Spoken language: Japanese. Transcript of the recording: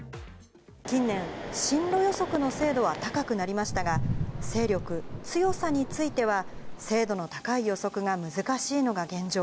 近年、進路予測の精度は高くなりましたが、勢力、強さについては、精度の高い予測が難しいのが現状。